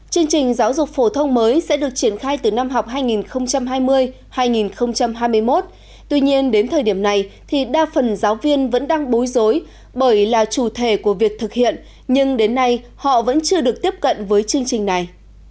chương trình giáo dục phổ thông mới sẽ được triển khai từ năm học hai nghìn hai mươi hai nghìn hai mươi một tuy nhiên đến thời điểm này thì đa phần giáo viên vẫn đang bối rối bởi là chủ thể của việc thực hiện nhưng đến nay họ vẫn chưa được tiếp cận với chương trình này